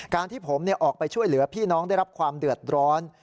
ที่ผมออกไปช่วยเหลือพี่น้องได้รับความเดือดร้อน